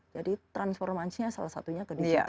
jadi transformasinya salah satunya ke digital